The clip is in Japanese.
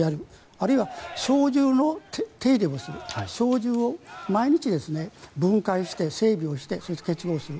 あるいは小銃の手入れをする小銃を毎日、分解して整備をして、そして結合する。